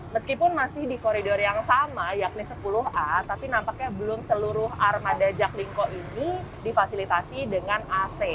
meskipun masih di koridor yang sama yakni sepuluh a tapi nampaknya belum seluruh armada jaklingko ini difasilitasi dengan ac